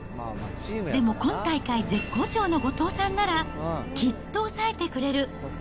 でも今大会絶好調の後藤さんなら、きっと抑えてくれる。